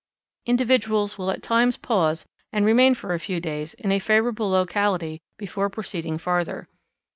Individuals will at times pause and remain for a few days in a favourable locality before proceeding farther.